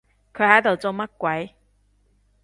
佢喺度做乜鬼？